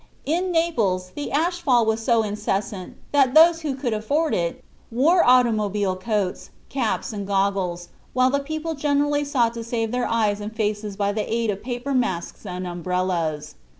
In Naples the ash fall was so incessant that those who could afford it wore automobile coats, caps and goggles, while the people generally sought to save their eyes and faces by the aid of paper masks and umbrellas.